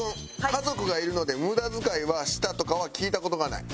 家族がいるので無駄遣いはしたとかは聞いた事がない。